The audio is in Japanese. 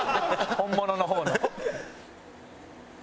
本物の方の。